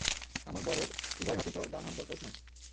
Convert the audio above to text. আমার বর-এর উভয় হাতই তো ডান হাত বরকতময়।